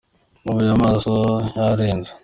nubuye amaso yarenze.